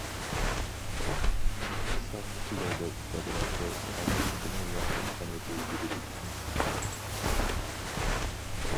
ساق كىشىلەردە ئىپادىلەنسە سالامەتلىكىنىڭ ياخشىلىقىنى بىلدۈرىدۇ.